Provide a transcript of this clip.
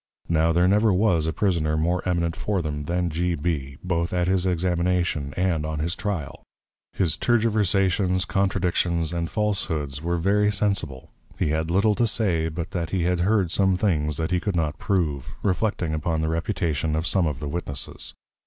Now there never was a Prisoner more eminent for them, than G. B. both at his Examination and on his Trial. His Tergiversations, Contradictions, and Falshoods, were very sensible: he had little to say, but that he had heard some things that he could not prove, Reflecting upon the Reputation of some of the Witnesses.